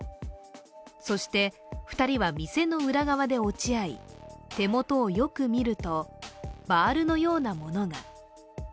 そして２人は店の裏側で落ち合い手元をよく見ると、バールのようなものが。